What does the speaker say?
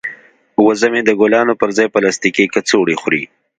وزه مې د ګلانو پر ځای پلاستیکي کڅوړې خوري.